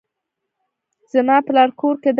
زما پلار کور کې دی